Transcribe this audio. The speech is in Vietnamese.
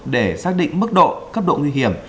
để xác định mức độ cấp độ nguy hiểm